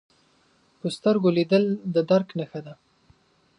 په سترګو لیدل د درک نښه ده